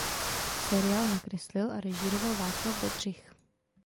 Seriál nakreslil a režíroval Václav Bedřich.